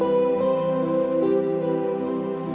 สวัสดีครับ